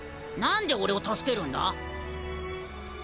何で俺を助けるんだ？